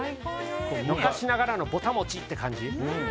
昔ながらのぼた餅って感じ。